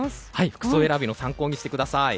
服装選びの参考にしてください。